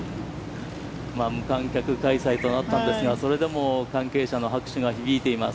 無観客開催となったんですが、それでも、関係者の拍手が響いています